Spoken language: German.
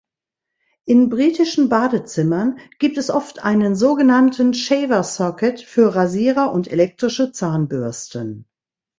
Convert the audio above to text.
In britischen Badezimmern gibt es oft einen sogenannten Shaver-Socket für Rasierer und elektrische Zahnbürsten.